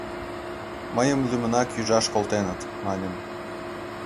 Мыйым лӱмынак ӱжаш колтеныт, — маньым.